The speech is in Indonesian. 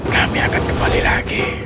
kami akan kembali lagi